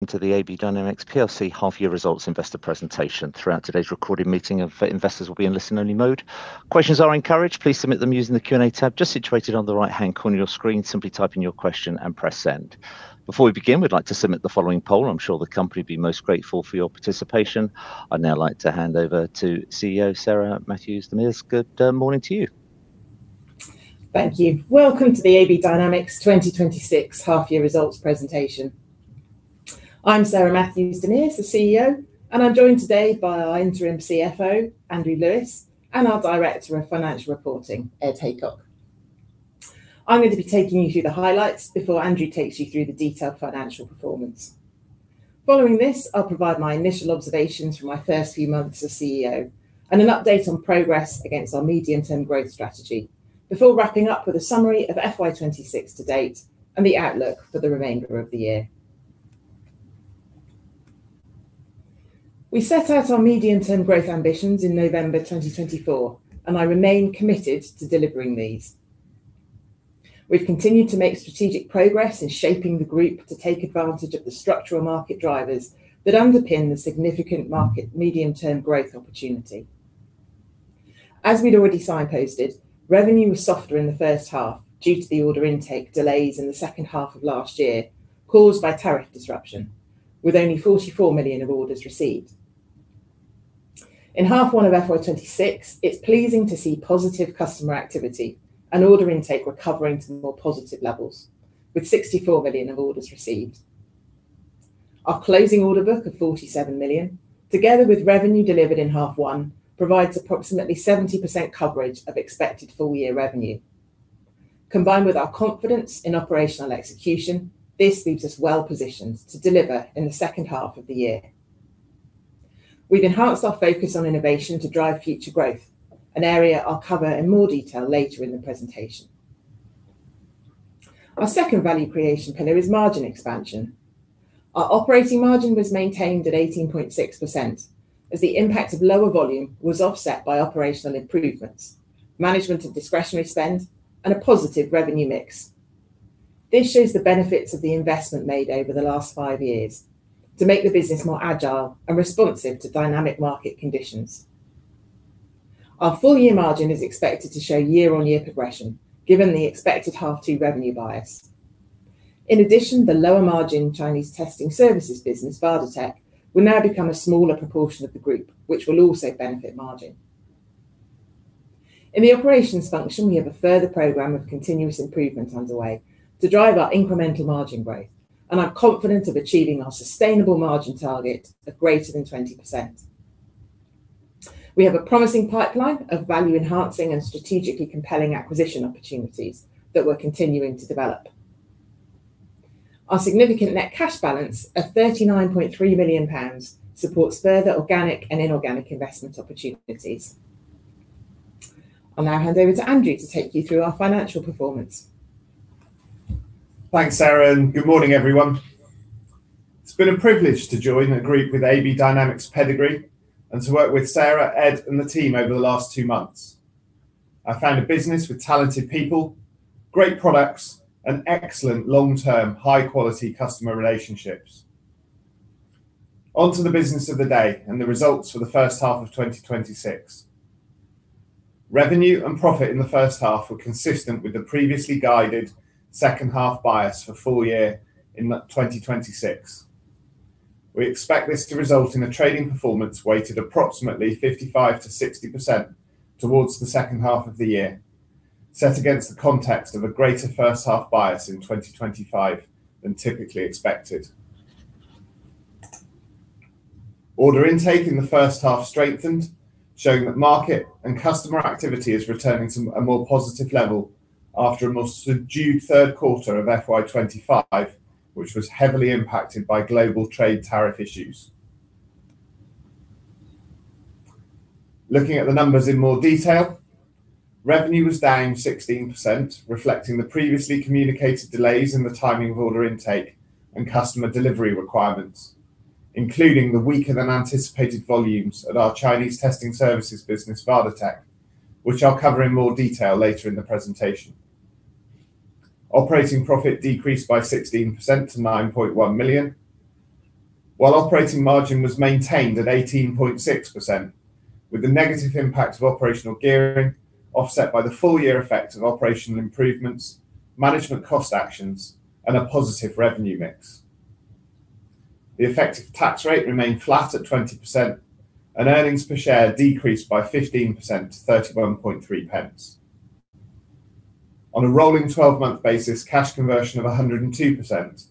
Welcome to the AB Dynamics plc half-year results investor presentation. Throughout today's recorded meeting, investors will be in listen-only mode. Questions are encouraged. Please submit them using the Q&A tab just situated on the right-hand corner of your screen. Simply type in your question and press send. Before we begin, we'd like to submit the following poll. I'm sure the company will be most grateful for your participation. I'd now like to hand over to CEO, Sarah Matthews-DeMers. Good morning to you. Thank you. Welcome to the AB Dynamics 2026 half-year results presentation. I'm Sarah Matthews-DeMers, the CEO, and I'm joined today by our Interim CFO, Andrew Lewis, and our Director of Financial Reporting, Ed Haycock. I'm going to be taking you through the highlights before Andrew takes you through the detailed financial performance. Following this, I'll provide my initial observations from my first few months as CEO and an update on progress against our medium-term growth strategy before wrapping up with a summary of FY 2026 to date and the outlook for the remainder of the year. We set out our medium-term growth ambitions in November 2024, and I remain committed to delivering these. We've continued to make strategic progress in shaping the group to take advantage of the structural market drivers that underpin the significant market medium-term growth opportunity. As we'd already signposted, revenue was softer in the first half due to the order intake delays in the second half of last year, caused by tariff disruption, with only 44 million of orders received. In H1 of FY 2026, it's pleasing to see positive customer activity and order intake recovering to more positive levels, with 64 million of orders received. Our closing order book of 47 million, together with revenue delivered in H1, provides approximately 70% coverage of expected full-year revenue. Combined with our confidence in operational execution, this leaves us well positioned to deliver in the second half of the year. We've enhanced our focus on innovation to drive future growth, an area I'll cover in more detail later in the presentation. Our second value creation pillar is margin expansion. Our operating margin was maintained at 18.6%, as the impact of lower volume was offset by operational improvements, management of discretionary spend, and a positive revenue mix. This shows the benefits of the investment made over the last five years to make the business more agile and responsive to dynamic market conditions. Our full-year margin is expected to show year-on-year progression given the expected H2 revenue bias. In addition, the lower margin Chinese testing services business, VadoTech, will now become a smaller proportion of the group, which will also benefit margin. In the operations function, we have a further program of continuous improvement underway to drive our incremental margin growth, and are confident of achieving our sustainable margin target of greater than 20%. We have a promising pipeline of value-enhancing and strategically compelling acquisition opportunities that we're continuing to develop. Our significant net cash balance of 39.3 million pounds supports further organic and inorganic investment opportunities. I'll now hand over to Andrew to take you through our financial performance. Thanks, Sarah, and good morning, everyone. It's been a privilege to join a group with AB Dynamics' pedigree and to work with Sarah, Ed, and the team over the last two months. I found a business with talented people, great products, and excellent long-term, high-quality customer relationships. On to the business of the day and the results for the first half of 2026. Revenue and profit in the first half were consistent with the previously guided second half bias for full year in 2026. We expect this to result in a trading performance weighted approximately 55%-60% towards the second half of the year, set against the context of a greater first half bias in 2025 than typically expected. Order intake in the first half strengthened, showing that market and customer activity is returning to a more positive level after a more subdued third quarter of FY 2025, which was heavily impacted by global trade tariff issues. Looking at the numbers in more detail, revenue was down 16%, reflecting the previously communicated delays in the timing of order intake and customer delivery requirements, including the weaker than anticipated volumes at our Chinese testing services business, VadoTech, which I'll cover in more detail later in the presentation. Operating profit decreased by 16% to 9.1 million, while operating margin was maintained at 18.6%, with the negative impact of operational gearing offset by the full-year effect of operational improvements, management cost actions, and a positive revenue mix. The effective tax rate remained flat at 20%, and earnings per share decreased by 15% to 0.313. On a rolling 12-month basis, cash conversion of 102%,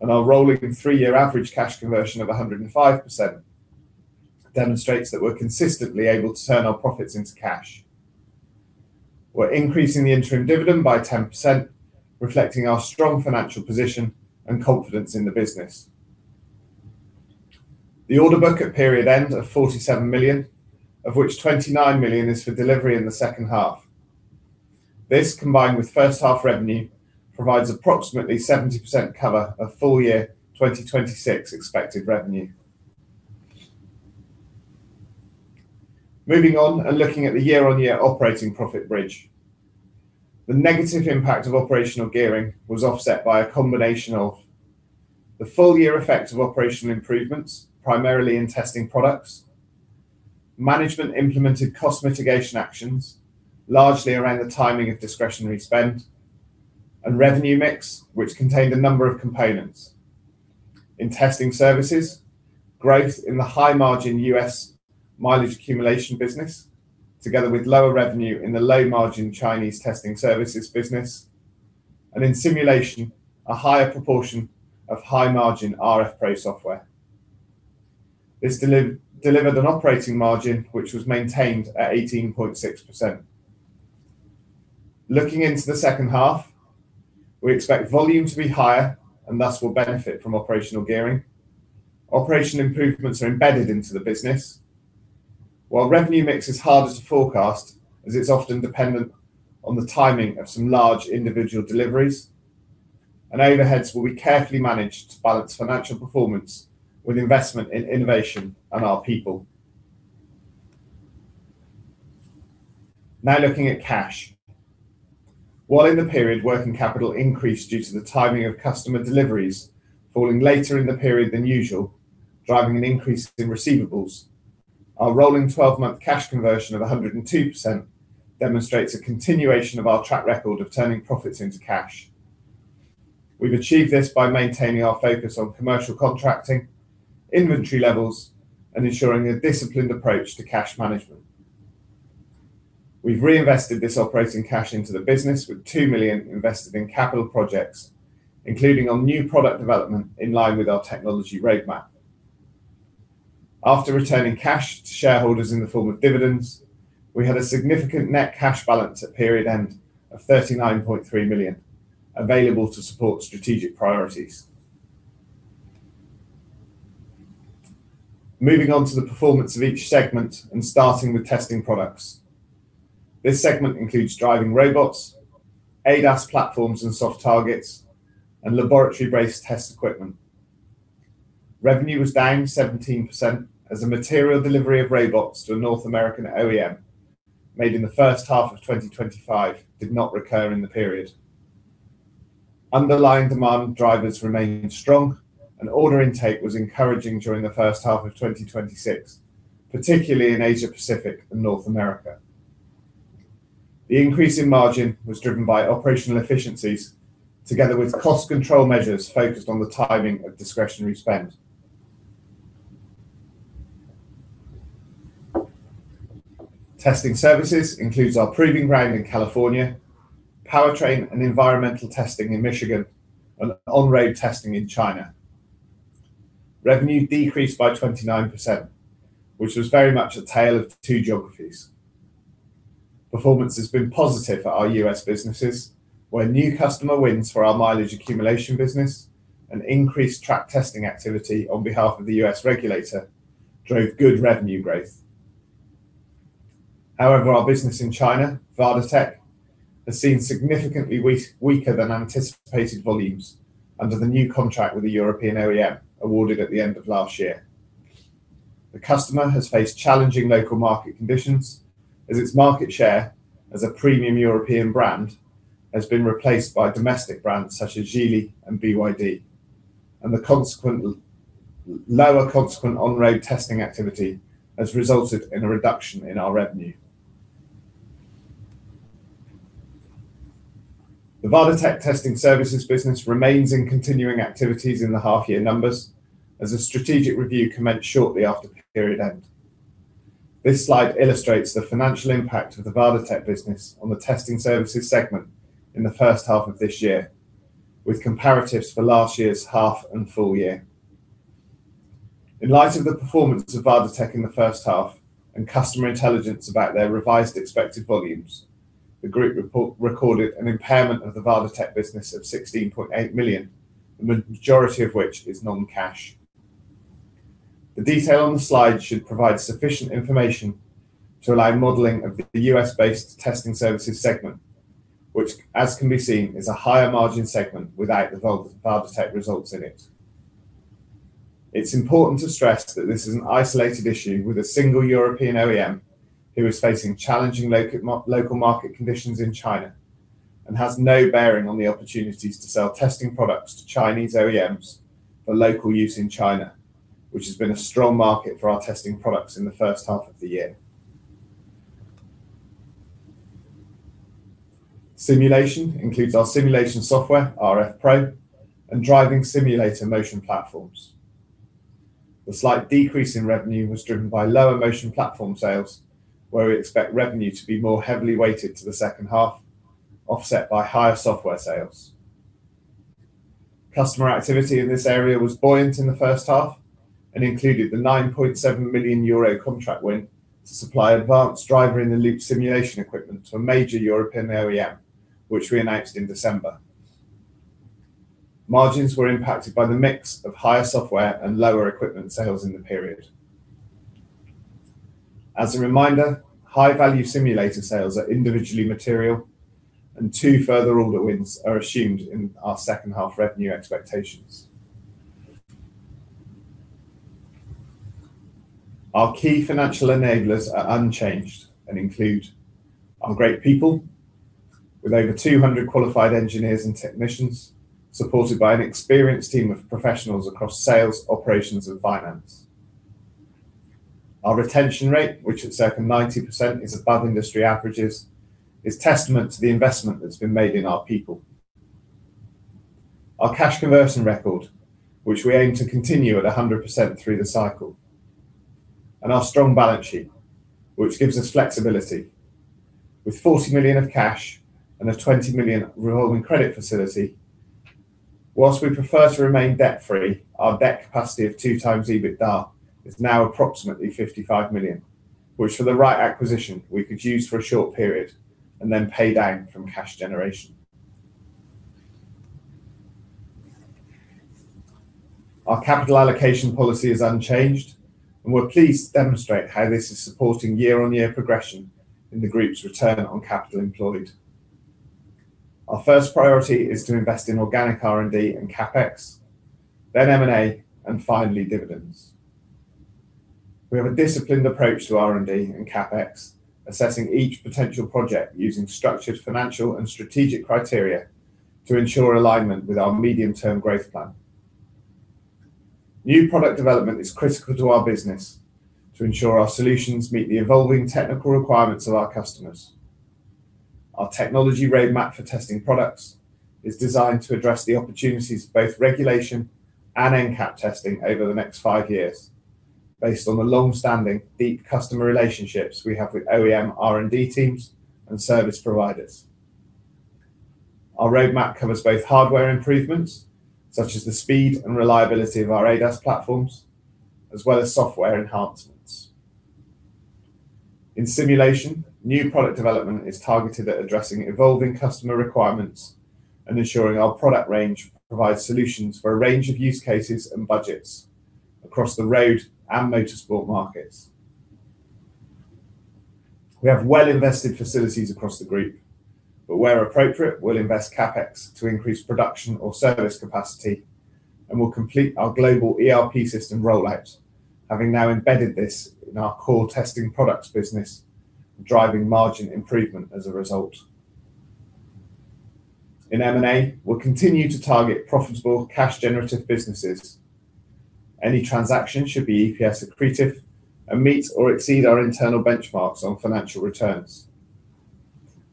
and our rolling three-year average cash conversion of 105% demonstrates that we're consistently able to turn our profits into cash. We're increasing the interim dividend by 10%, reflecting our strong financial position and confidence in the business. The order book at period end of 47 million, of which 29 million is for delivery in the second half. This, combined with first half revenue, provides approximately 70% cover of full year 2026 expected revenue. Moving on and looking at the year-on-year operating profit bridge. The negative impact of operational gearing was offset by a combination of the full year effect of operational improvements, primarily in Testing Products, management implemented cost mitigation actions, largely around the timing of discretionary spend, and revenue mix, which contained a number of components. In testing services, growth in the high-margin U.S. mileage accumulation business, together with lower revenue in the low-margin Chinese testing services business, and in simulation, a higher proportion of high-margin rFpro software, this delivered an operating margin which was maintained at 18.6%. Looking into the second half, we expect volume to be higher and thus will benefit from operational gearing. Operational improvements are embedded into the business, while revenue mix is harder to forecast as it's often dependent on the timing of some large individual deliveries, and overheads will be carefully managed to balance financial performance with investment in innovation and our people. Now looking at cash. While in the period working capital increased due to the timing of customer deliveries falling later in the period than usual, driving an increase in receivables, our rolling 12-month cash conversion of 102% demonstrates a continuation of our track record of turning profits into cash. We've achieved this by maintaining our focus on commercial contracting, inventory levels, and ensuring a disciplined approach to cash management. We've reinvested this operating cash into the business with 2 million invested in capital projects, including on new product development in line with our technology roadmap. After returning cash to shareholders in the form of dividends, we had a significant net cash balance at period end of 39.3 million available to support strategic priorities. Moving on to the performance of each segment and starting with Testing Products. This segment includes driving robots, ADAS platforms and soft targets, and laboratory-based test equipment. Revenue was down 17% as a material delivery of robots to a North American OEM made in the first half of 2025 did not recur in the period. Underlying demand drivers remained strong and order intake was encouraging during the first half of 2026, particularly in Asia Pacific and North America. The increase in margin was driven by operational efficiencies together with cost control measures focused on the timing of discretionary spend. Testing Services includes our proving ground in California, powertrain and environmental testing in Michigan, and on-road testing in China. Revenue decreased by 29%, which was very much a tale of two geographies. Performance has been positive for our U.S. businesses, where new customer wins for our mileage accumulation business and increased track testing activity on behalf of the U.S. regulator drove good revenue growth. However, our business in China, VadoTech, has seen significantly weaker than anticipated volumes under the new contract with the European OEM awarded at the end of last year. The customer has faced challenging local market conditions as its market share as a premium European brand has been replaced by domestic brands such as Geely and BYD, and the lower consequent on-road testing activity has resulted in a reduction in our revenue. The VadoTech Testing Services business remains in continuing activities in the half-year numbers as a strategic review commenced shortly after period-end. This slide illustrates the financial impact of the VadoTech business on the Testing Services segment in the first half of this year, with comparatives for last year's half and full year. In light of the performance of VadoTech in the first half and customer intelligence about their revised expected volumes, the group recorded an impairment of the VadoTech business of 16.8 million, the majority of which is non-cash. The detail on the slide should provide sufficient information to allow modeling of the U.S.-based Testing Services segment, which as can be seen is a higher margin segment without the VadoTech results in it. It's important to stress that this is an isolated issue with a single European OEM who is facing challenging local market conditions in China and has no bearing on the opportunities to sell testing products to Chinese OEMs for local use in China, which has been a strong market for our testing products in the first half of the year. Simulation includes our simulation software, rFpro, and driving simulator motion platforms. The slight decrease in revenue was driven by lower motion platform sales, where we expect revenue to be more heavily weighted to the second half, offset by higher software sales. Customer activity in this area was buoyant in the first half and included the 9.7 million euro contract win to supply advanced Driver-in-the-Loop simulation equipment to a major European OEM, which we announced in December. Margins were impacted by the mix of higher software and lower equipment sales in the period. As a reminder, high-value simulator sales are individually material and two further order wins are assumed in our second-half revenue expectations. Our key financial enablers are unchanged and include our great people with over 200 qualified engineers and technicians, supported by an experienced team of professionals across sales, operations, and finance. Our retention rate, which at circa 90% is above industry averages, is testament to the investment that's been made in our people, our cash conversion record, which we aim to continue at 100% through the cycle, and our strong balance sheet, which gives us flexibility. With 40 million of cash and a 20 million revolving credit facility, whilst we prefer to remain debt-free, our debt capacity of 2x EBITDA is now approximately 55 million, which for the right acquisition, we could use for a short period and then pay down from cash generation. Our capital allocation policy is unchanged, and we're pleased to demonstrate how this is supporting year-on-year progression in the group's return on capital employed. Our first priority is to invest in organic R&D and CapEx, then M&A, and finally, dividends. We have a disciplined approach to R&D and CapEx, assessing each potential project using structured financial and strategic criteria to ensure alignment with our medium-term growth plan. New product development is critical to our business to ensure our solutions meet the evolving technical requirements of our customers. Our technology roadmap for testing products is designed to address the opportunities of both regulation and NCAP testing over the next five years based on the longstanding deep customer relationships we have with OEM R&D teams and service providers. Our roadmap covers both hardware improvements, such as the speed and reliability of our ADAS platforms, as well as software enhancements. In simulation, new product development is targeted at addressing evolving customer requirements and ensuring our product range provides solutions for a range of use cases and budgets across the road and motorsport markets. We have well-invested facilities across the group, but where appropriate, we'll invest CapEx to increase production or service capacity, and we'll complete our global ERP system rollout, having now embedded this in our core Testing Products business, driving margin improvement as a result. In M&A, we'll continue to target profitable cash-generative businesses. Any transaction should be EPS accretive and meet or exceed our internal benchmarks on financial returns.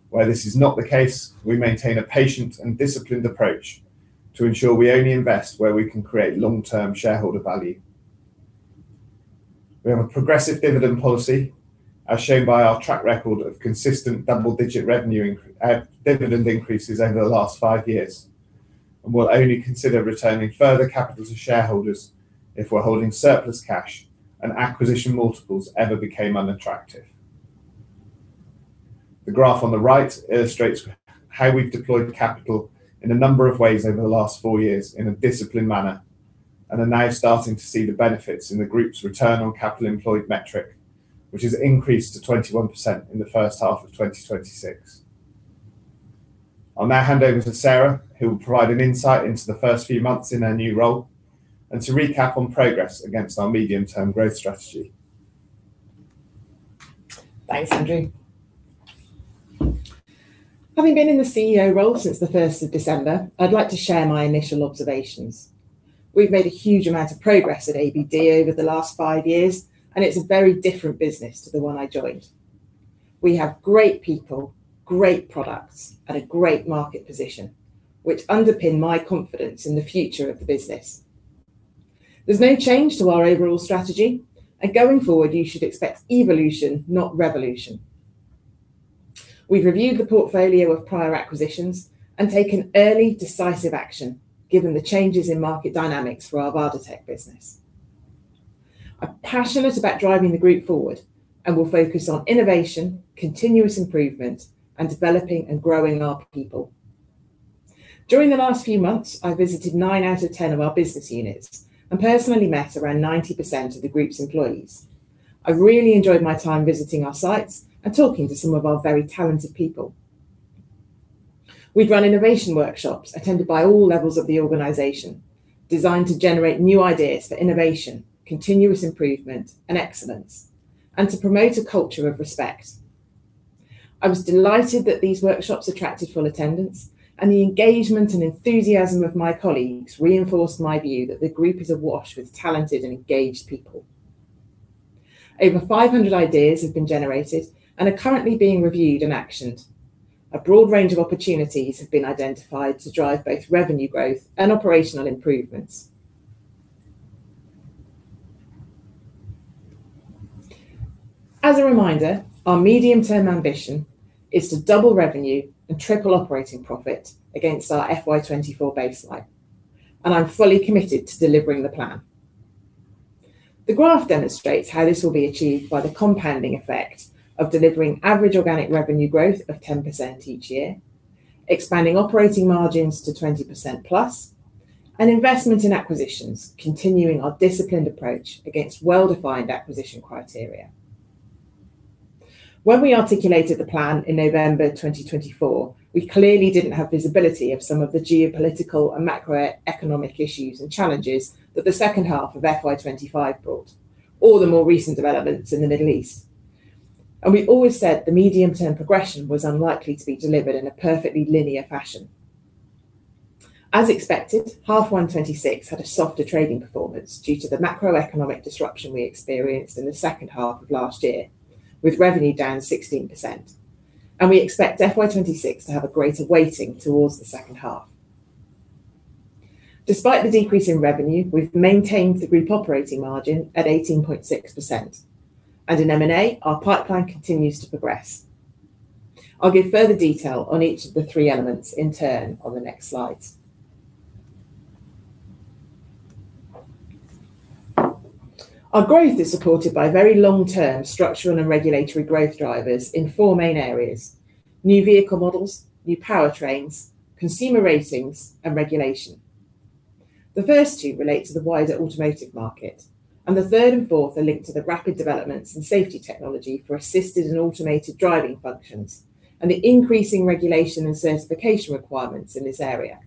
Where this is not the case, we maintain a patient and disciplined approach to ensure we only invest where we can create long-term shareholder value. We have a progressive dividend policy, as shown by our track record of consistent double-digit dividend increases over the last five years, and we'll only consider returning further capital to shareholders if we're holding surplus cash and acquisition multiples ever became unattractive. The graph on the right illustrates how we've deployed capital in a number of ways over the last four years in a disciplined manner and are now starting to see the benefits in the group's return on capital employed metric, which has increased to 21% in the first half of 2026. I'll now hand over to Sarah Matthews-DeMers, who will provide an insight into the first few months in her new role and to recap on progress against our medium-term growth strategy. Thanks, Andrew. Having been in the CEO role since the 1st of December, I'd like to share my initial observations. We've made a huge amount of progress at ABD over the last five years, and it's a very different business to the one I joined. We have great people, great products, and a great market position, which underpin my confidence in the future of the business. There's no change to our overall strategy, and going forward, you should expect evolution, not revolution. We've reviewed the portfolio of prior acquisitions and taken early decisive action, given the changes in market dynamics for our VadoTech business. I'm passionate about driving the group forward and will focus on innovation, continuous improvement, and developing and growing our people. During the last few months, I visited nine out of 10 of our business units and personally met around 90% of the group's employees. I really enjoyed my time visiting our sites and talking to some of our very talented people. We've run innovation workshops attended by all levels of the organization designed to generate new ideas for innovation, continuous improvement, and excellence, and to promote a culture of respect. I was delighted that these workshops attracted full attendance, and the engagement and enthusiasm of my colleagues reinforced my view that the group is awash with talented and engaged people. Over 500 ideas have been generated and are currently being reviewed and actioned. A broad range of opportunities have been identified to drive both revenue growth and operational improvements. As a reminder, our medium-term ambition is to double revenue and triple operating profit against our FY 2024 baseline, and I'm fully committed to delivering the plan. The graph demonstrates how this will be achieved by the compounding effect of delivering average organic revenue growth of 10% each year, expanding operating margins to 20%+, and investment in acquisitions, continuing our disciplined approach against well-defined acquisition criteria. When we articulated the plan in November 2024, we clearly didn't have visibility of some of the geopolitical and macroeconomic issues and challenges that the second half of FY 2025 brought, or the more recent developments in the Middle East. We always said the medium-term progression was unlikely to be delivered in a perfectly linear fashion. As expected, H1 2026 had a softer trading performance due to the macroeconomic disruption we experienced in the second half of last year, with revenue down 16%, and we expect FY 2026 to have a greater weighting towards the second half. Despite the decrease in revenue, we've maintained the group operating margin at 18.6%, and in M&A, our pipeline continues to progress. I'll give further detail on each of the three elements in turn on the next slides. Our growth is supported by very long-term structural and regulatory growth drivers in four main areas, new vehicle models, new powertrains, consumer ratings, and regulation. The first two relate to the wider automotive market, and the third and fourth are linked to the rapid developments in safety technology for assisted and automated driving functions, and the increasing regulation and certification requirements in this area.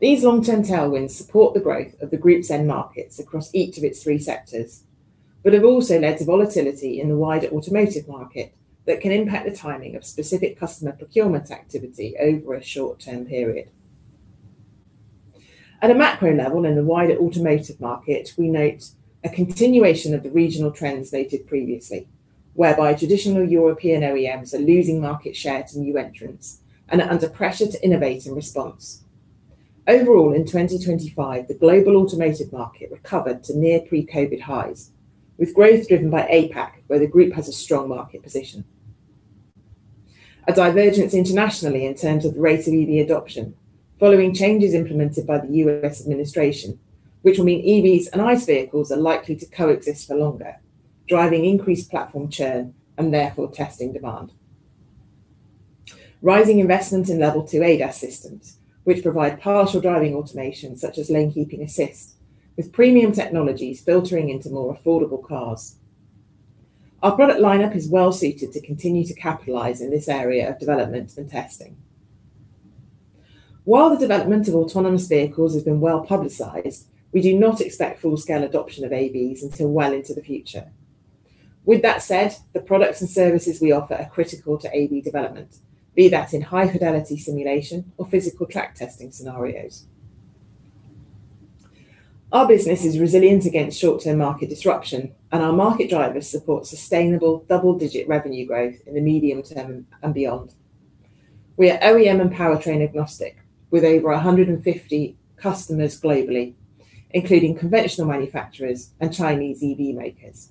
These long-term tailwinds support the growth of the group's end markets across each of its three sectors but have also led to volatility in the wider automotive market that can impact the timing of specific customer procurement activity over a short-term period. At a macro level in the wider automotive market, we note a continuation of the regional trends stated previously, whereby traditional European OEMs are losing market share to new entrants and are under pressure to innovate in response. Overall, in 2025, the global automotive market recovered to near pre-COVID highs, with growth driven by APAC, where the group has a strong market position. A divergence internationally in terms of the rate of EV adoption following changes implemented by the U.S. administration, which will mean EVs and ICE vehicles are likely to coexist for longer, driving increased platform churn and therefore testing demand. Rising investment in Level 2 ADAS systems, which provide partial driving automation such as lane keeping assist, with premium technologies filtering into more affordable cars. Our product lineup is well suited to continue to capitalize in this area of development and testing. While the development of autonomous vehicles has been well publicized, we do not expect full-scale adoption of AVs until well into the future. With that said, the products and services we offer are critical to AV development, be that in high-fidelity simulation or physical track testing scenarios. Our business is resilient against short-term market disruption, and our market drivers support sustainable double-digit revenue growth in the medium term and beyond. We are OEM and powertrain agnostic with over 150 customers globally, including conventional manufacturers and Chinese EV makers.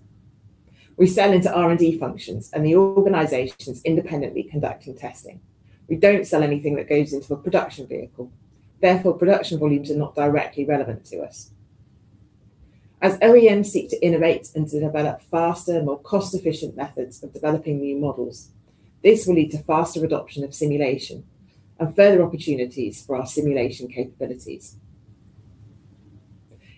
We sell into R&D functions and the organizations independently conducting testing. We don't sell anything that goes into a production vehicle. Therefore, production volumes are not directly relevant to us. As OEMs seek to innovate and to develop faster and more cost-efficient methods of developing new models, this will lead to faster adoption of simulation and further opportunities for our simulation capabilities.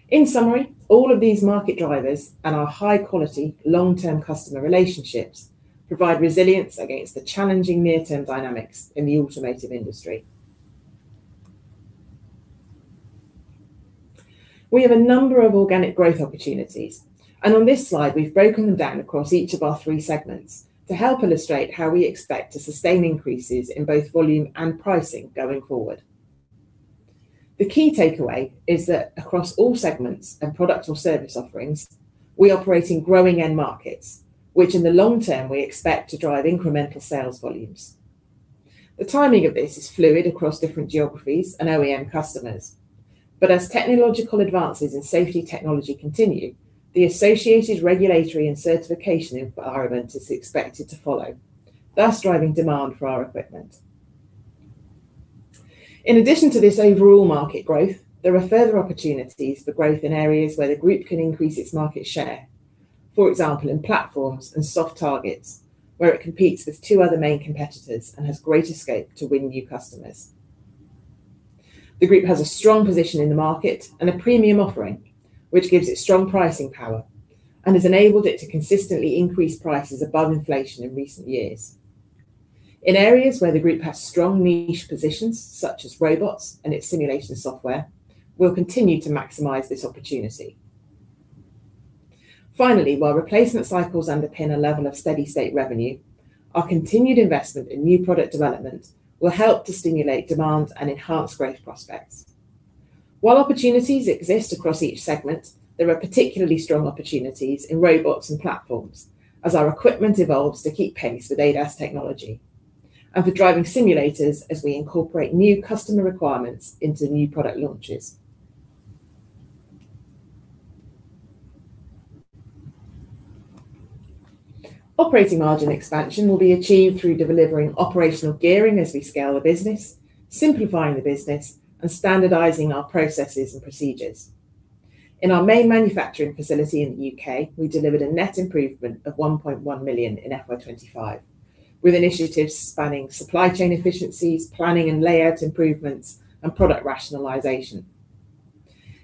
In summary, all of these market drivers and our high-quality long-term customer relationships provide resilience against the challenging near-term dynamics in the automotive industry. We have a number of organic growth opportunities, and on this slide, we've broken them down across each of our three segments to help illustrate how we expect to sustain increases in both volume and pricing going forward. The key takeaway is that across all segments and product or service offerings, we operate in growing end markets, which in the long term we expect to drive incremental sales volumes. The timing of this is fluid across different geographies and OEM customers, but as technological advances in safety technology continue, the associated regulatory and certification environment is expected to follow, thus driving demand for our equipment. In addition to this overall market growth, there are further opportunities for growth in areas where the group can increase its market share. For example, in platforms and soft targets, where it competes with two other main competitors and has greater scope to win new customers. The group has a strong position in the market and a premium offering, which gives it strong pricing power and has enabled it to consistently increase prices above inflation in recent years. In areas where the group has strong niche positions, such as robots and its simulation software, we'll continue to maximize this opportunity. Finally, while replacement cycles underpin a level of steady-state revenue, our continued investment in new product development will help to stimulate demand and enhance growth prospects. While opportunities exist across each segment, there are particularly strong opportunities in robots and platforms as our equipment evolves to keep pace with ADAS technology and for driving simulators as we incorporate new customer requirements into new product launches. Operating margin expansion will be achieved through delivering operational gearing as we scale the business, simplifying the business, and standardizing our processes and procedures. In our main manufacturing facility in the U.K., we delivered a net improvement of 1.1 million in FY 2025, with initiatives spanning supply chain efficiencies, planning and layout improvements, and product rationalization.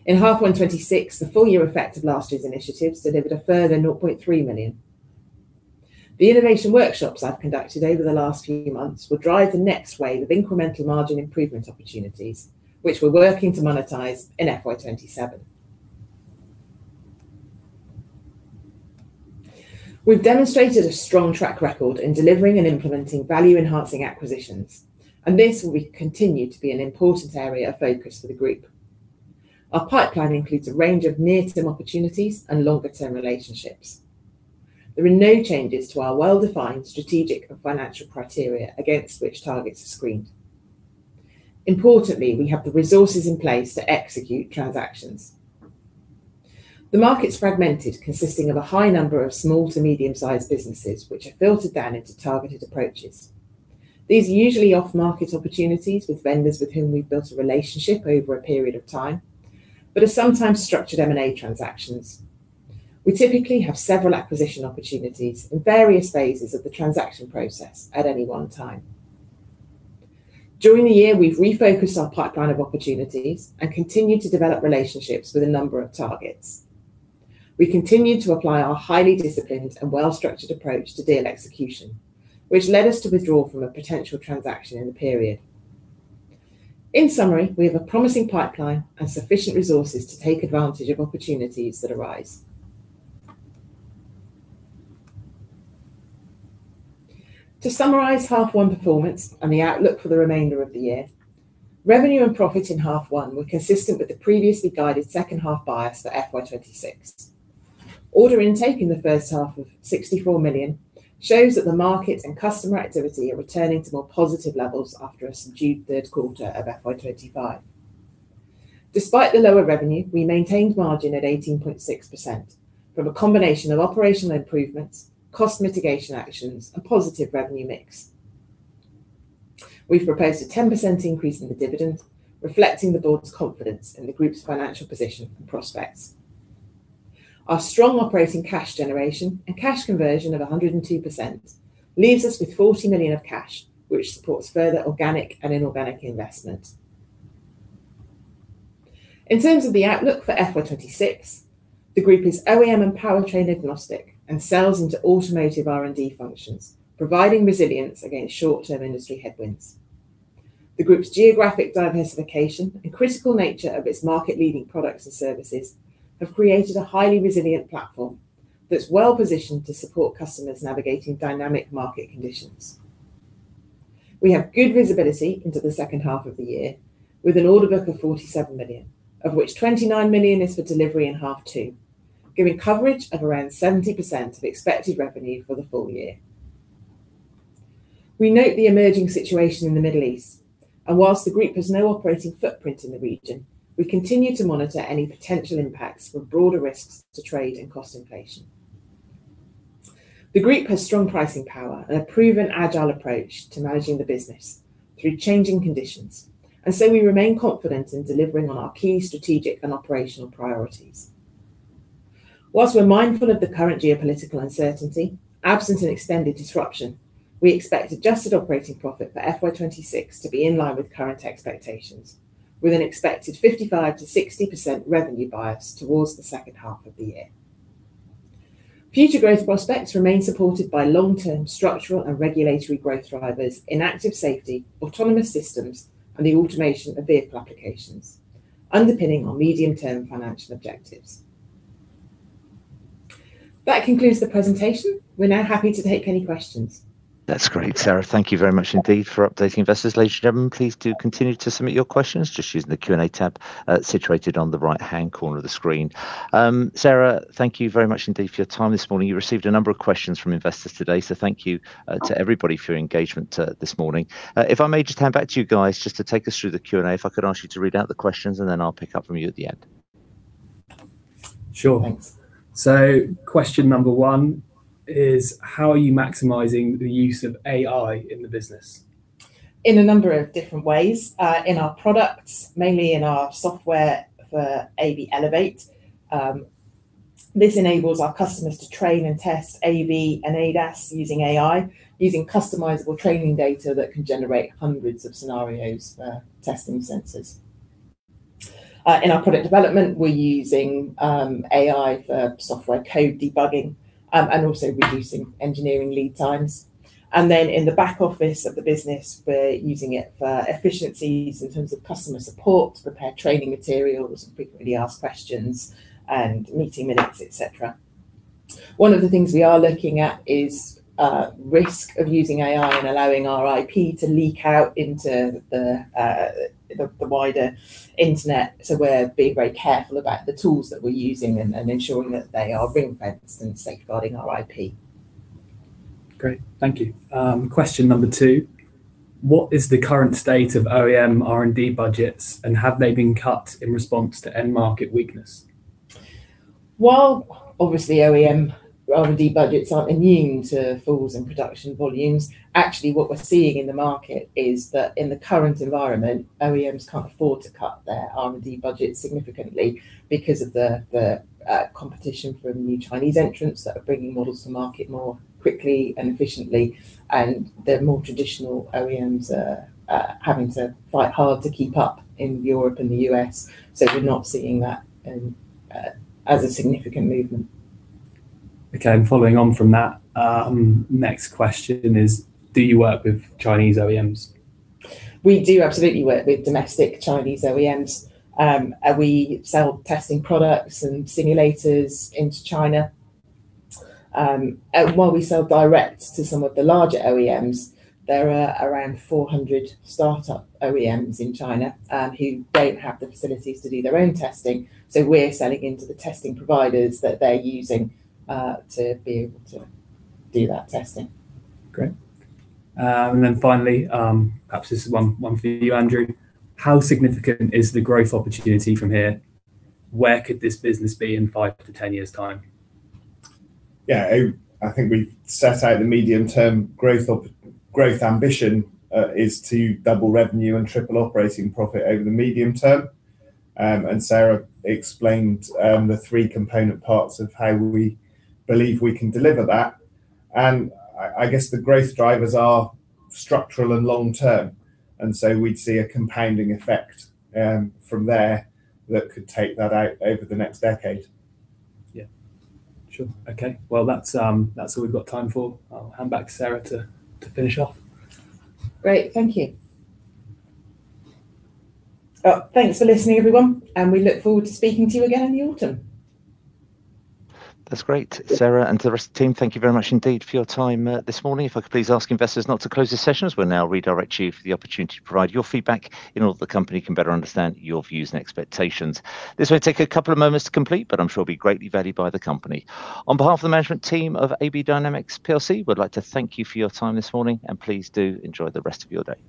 In H1 2026, the full year effect of last year's initiatives delivered a further 0.3 million. The innovation workshops I've conducted over the last few months will drive the next wave of incremental margin improvement opportunities, which we're working to monetize in FY 2027. We've demonstrated a strong track record in delivering and implementing value-enhancing acquisitions, and this will continue to be an important area of focus for the group. Our pipeline includes a range of near-term opportunities and longer-term relationships. There are no changes to our well-defined strategic and financial criteria against which targets are screened. Importantly, we have the resources in place to execute transactions. The market's fragmented, consisting of a high number of small-to-medium-sized businesses which are filtered down into targeted approaches. These are usually off-market opportunities with vendors with whom we've built a relationship over a period of time but are sometimes structured M&A transactions. We typically have several acquisition opportunities in various phases of the transaction process at any one time. During the year, we've refocused our pipeline of opportunities and continued to develop relationships with a number of targets. We've continued to apply our highly disciplined and well-structured approach to deal execution, which led us to withdraw from a potential transaction in the period. In summary, we have a promising pipeline and sufficient resources to take advantage of opportunities that arise. To summarize H1 performance and the outlook for the remainder of the year, revenue and profit in H1 were consistent with the previously guided second half bias for FY 2026. Order intake in the first half of 64 million shows that the market and customer activity are returning to more positive levels after a subdued third quarter of FY 2025. Despite the lower revenue, we maintained margin at 18.6% from a combination of operational improvements, cost mitigation actions, and positive revenue mix. We've proposed a 10% increase in the dividend, reflecting the Board's confidence in the group's financial position and prospects. Our strong operating cash generation and cash conversion of 102% leaves us with 40 million of cash, which supports further organic and inorganic investment. In terms of the outlook for FY 2026, the group is OEM and powertrain agnostic and sells into automotive R&D functions, providing resilience against short-term industry headwinds. The group's geographic diversification and critical nature of its market-leading products and services have created a highly resilient platform that's well-positioned to support customers navigating dynamic market conditions. We have good visibility into the second half of the year with an order book of 47 million, of which 29 million is for delivery in H2, giving coverage of around 70% of expected revenue for the full year. We note the emerging situation in the Middle East, and whilst the group has no operating footprint in the region, we continue to monitor any potential impacts from broader risks to trade and cost inflation. The group has strong pricing power and a proven agile approach to managing the business through changing conditions, and so we remain confident in delivering on our key strategic and operational priorities. Whilst we're mindful of the current geopolitical uncertainty, absent an extended disruption, we expect adjusted operating profit for FY 2026 to be in line with current expectations, with an expected 55%-60% revenue bias towards the second half of the year. Future growth prospects remain supported by long-term structural and regulatory growth drivers in active safety, autonomous systems, and the automation of vehicle applications, underpinning our medium-term financial objectives. That concludes the presentation. We're now happy to take any questions. That's great, Sarah. Thank you very much indeed for updating investors. Ladies and gentlemen, please do continue to submit your questions just using the Q&A tab situated on the right-hand corner of the screen. Sarah, thank you very much indeed for your time this morning. You received a number of questions from investors today, so thank you to everybody for your engagement this morning. If I may just hand back to you guys just to take us through the Q&A, if I could ask you to read out the questions and then I'll pick up from you at the end. Sure. Thanks. Question number one is, how are you maximizing the use of AI in the business? In a number of different ways. In our products, mainly in our software for AV Elevate. This enables our customers to train and test AV and ADAS using AI, using customizable training data that can generate hundreds of scenarios for testing sensors. In our product development, we're using AI for software code debugging, and also reducing engineering lead times. In the back office of the business, we're using it for efficiencies in terms of customer support to prepare training materials and frequently asked questions and meeting minutes, et cetera. One of the things we are looking at is risk of using AI and allowing our IP to leak out into the wider internet, so we're being very careful about the tools that we're using and ensuring that they are ring-fenced and safeguarding our IP. Great. Thank you. Question number two, what is the current state of OEM R&D budgets, and have they been cut in response to end market weakness? While obviously OEM R&D budgets aren't immune to falls in production volumes, actually what we're seeing in the market is that in the current environment, OEMs can't afford to cut their R&D budget significantly because of the competition from new Chinese entrants that are bringing models to market more quickly and efficiently, and the more traditional OEMs are having to fight hard to keep up in Europe and the U.S. We're not seeing that as a significant movement. Okay. Following on from that, next question is, do you work with Chinese OEMs? We do absolutely work with domestic Chinese OEMs. We sell testing products and simulators into China. While we sell direct to some of the larger OEMs, there are around 400 startup OEMs in China who don't have the facilities to do their own testing, so we're selling into the testing providers that they're using to be able to do that testing. Great. Finally, perhaps this is one for you, Andrew, how significant is the growth opportunity from here? Where could this business be in five to 10 years' time? Yeah. I think we've set out the medium-term growth ambition is to double revenue and triple operating profit over the medium term, and Sarah explained the three component parts of how we believe we can deliver that. I guess the growth drivers are structural and long-term, and so we'd see a compounding effect from there that could take that out over the next decade. Yeah. Sure. Okay. Well, that's all we've got time for. I'll hand back to Sarah to finish off. Great. Thank you. Thanks for listening, everyone, and we look forward to speaking to you again in the autumn. That's great. Sarah and to the rest of the team, thank you very much indeed for your time this morning. If I could please ask investors not to close this session, as we'll now redirect you for the opportunity to provide your feedback in order that the company can better understand your views and expectations. This will take a couple of moments to complete, but I'm sure will be greatly valued by the company. On behalf of the management team of AB Dynamics plc, we'd like to thank you for your time this morning, and please do enjoy the rest of your day.